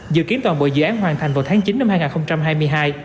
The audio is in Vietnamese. dự kiến toàn bộ dự án hoàn thành vào tháng chín năm hai nghìn hai mươi hai